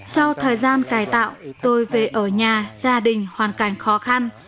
sau thời gian cài tạo tôi về ở nhà gia đình hoàn cảnh khó khăn